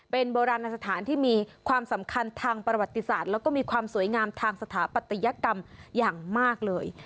เป็นโบราณสถานที่มีความสำคัญทางประวัติศาสตร์แล้วก็มีความสวยงามทางสถาปัตยกรรมอย่างมากเลย